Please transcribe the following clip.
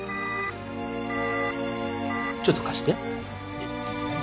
ちょっと貸して。